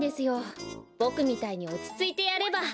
ボクみたいにおちついてやれば。